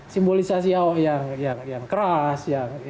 simbolisasi aho yang keras